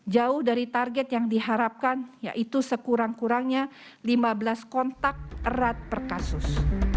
jauh dari target yang diharapkan yaitu sekurang kurangnya lima belas kontak erat per kasus